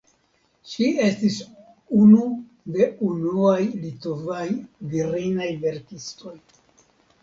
Ŝi estis unu de unuaj litovaj virinaj verkistoj.